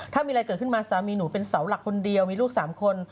ถ้ามีอะไรเกิดขึ้นมาสามีหนูเป็นเสาหลักคนเดียวมีลูก๓คน